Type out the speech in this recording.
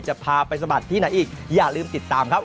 จะพาไปสะบัดที่ไหนอีกอย่าลืมติดตามครับ